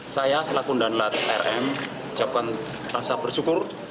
saya selaku danelat aarm ucapkan rasa bersyukur